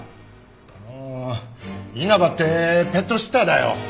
あの稲葉ってペットシッターだよ！